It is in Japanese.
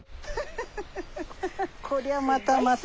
こりゃまたまた。